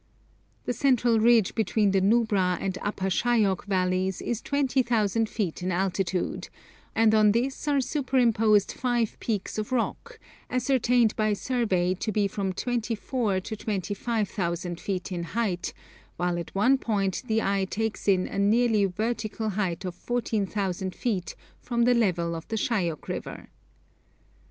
The central ridge between the Nubra and Upper Shayok valleys is 20,000 feet in altitude, and on this are superimposed five peaks of rock, ascertained by survey to be from 24,000 to 25,000 feet in height, while at one point the eye takes in a nearly vertical height of 14,000 feet from the level of the Shayok River!